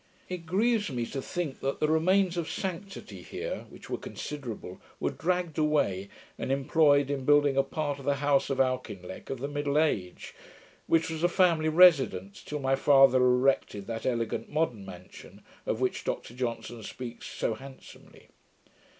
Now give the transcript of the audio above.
It grieves me to think that the remains of sanctity here, which were considerable, were dragged away, and employed in building a part of the house of Auchinleck, of the middle age; which was the family residence, till my father erected that 'elegant modern mansion', of which Dr Johnson speaks so handsomely.